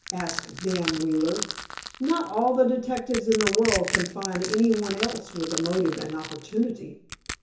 asked Dan Wheeler. "Not all the detectives in the world can find any one else with a motive and opportunity.